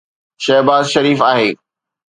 شهباز شريف آهي.